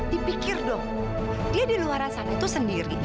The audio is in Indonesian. dipikir dong dia di luar asan itu sendiri